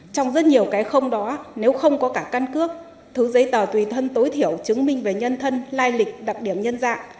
trong rất nhiều cái không đó nếu không có cả căn cước thứ giấy tờ tùy thân tối thiểu chứng minh về nhân thân lai lịch đặc điểm nhân dạng